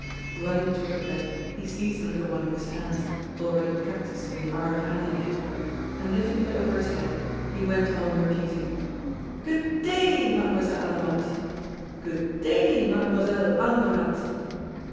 Running toward the bed, he seized the little one in his hands already practiced in the art of handling it, and lifting it over his head, he went on repeating: "Good day, Mademoiselle Andermatt good day, Mademoiselle Andermatt."